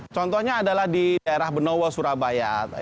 contohnya adalah di daerah benowo surabaya